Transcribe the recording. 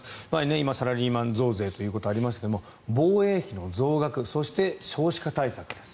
今、サラリーマン増税ということありましたが防衛費の増額そして少子化対策です。